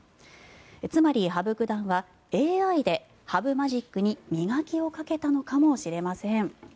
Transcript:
つまり、羽生九段はＡＩで羽生マジックに磨きをかけたのかもしれません。